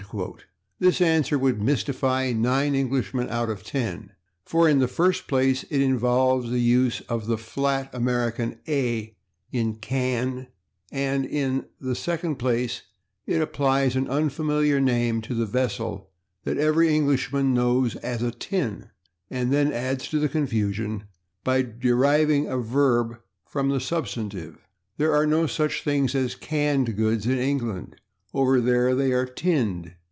This answer would mystify nine Englishmen out of ten, for in the first place it involves the use of the flat American /a/ in /can't/ and in the second place it applies an unfamiliar name to the vessel that every Englishman knows as a /tin/, and then adds to the confusion by deriving a verb from the substantive. There are no such things as /canned goods/ in England; over there they are /tinned